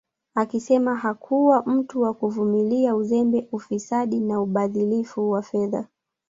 Akisema hakuwa mtu wa kuvimilia uzembe ufisadi na ubadhirifu wa fedha